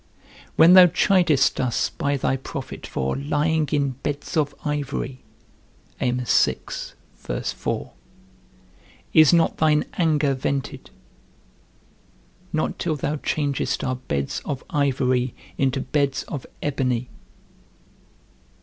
When thou chidest us by thy prophet for lying in beds of ivory, is not thine anger vented; not till thou changest our beds of ivory into beds of ebony?